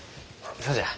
そうじゃ。